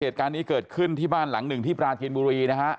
เหตุการณ์นี้เกิดขึ้นที่บ้านหลังหนึ่งที่ปราจีนบุรีนะฮะ